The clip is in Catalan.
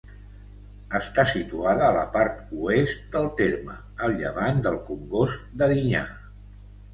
Està situada a la part oest del terme, al llevant del Congost d'Erinyà.